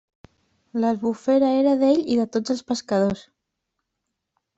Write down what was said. L'Albufera era d'ell i de tots els pescadors.